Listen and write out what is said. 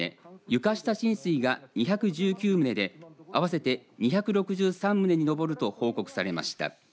床下浸水が２１９棟で合わせて２６３棟に上ると報告されました。